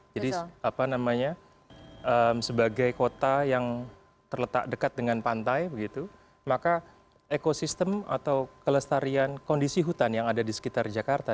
jadi sebagai kota yang terletak dekat dengan pantai maka ekosistem atau kelestarian kondisi hutan yang ada di sekitar jakarta